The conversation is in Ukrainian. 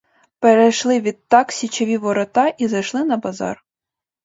Перейшли відтак січові ворота і зайшли на базар.